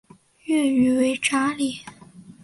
粤语为炸厘。